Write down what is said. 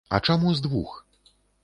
А чаму з двух?